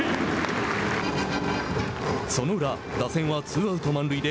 その裏、打線はツーアウト、満塁で